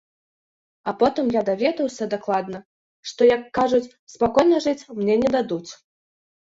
А потым я даведаўся дакладна, што, як кажуць, спакойна жыць мне не дадуць.